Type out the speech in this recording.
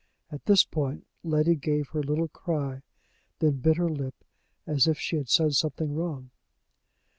at this point Letty gave her little cry, then bit her lip, as if she had said something wrong.